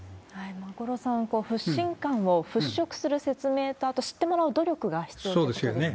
五郎さん、不信感を払拭する説明と、あと、知ってもらう努力が必要ということですね。